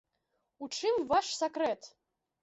У чым ваш сакрэт?